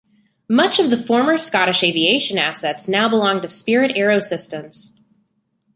Much of the former Scottish Aviation assets now belong to Spirit AeroSystems.